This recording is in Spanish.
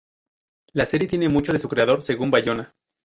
La serie tiene mucho de su creador, según Bayona.